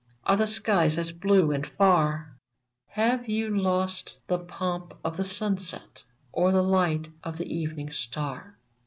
Are the skies as blue and far ? Have you lost the pomp of the sunset, Or the light of the evening star